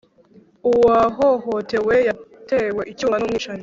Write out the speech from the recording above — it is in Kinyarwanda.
uwahohotewe yatewe icyuma n’umwicanyi.